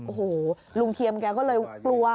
โอ้โหลุงเทียมแกก็เลยกลัว